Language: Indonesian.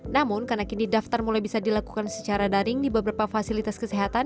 namun karena kini daftar mulai bisa dilakukan secara daring di beberapa fasilitas kesehatan